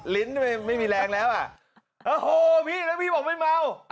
ลิ้นไม่มีแรงแล้วอ่ะโอ้โหพี่แล้วพี่บอกไม่เมา